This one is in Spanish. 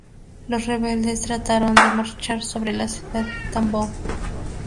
Los rebeldes trataron de marchar sobre la ciudad de Tambov.